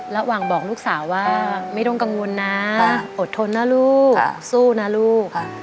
ระหว่างบอกลูกสาวว่าไม่ต้องกังวลนะอดทนนะลูกสู้นะลูก